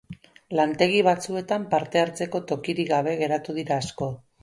Lantegi batzuetan parte hartzeko tokiri gabe geratu dira asko.